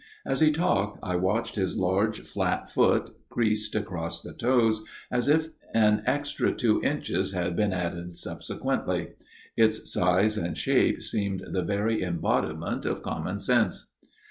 As he talked I watched his large, flat foot, creased across the toes, as if an extra two inches had been added 217 218 A MIRROR OF SHALOTT subsequently. Its size and shape seemed the very embodiment of common sense.